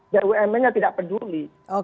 bumn nya tidak peduli